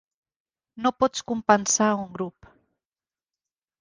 No pots compensar un grup.